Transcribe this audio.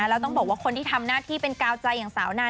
แล้วต้องบอกว่าคนที่ทำหน้าที่เป็นกาวใจอย่างสาวนาน